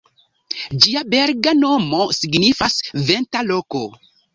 Ĝia belga nomo signifas: "venta loko".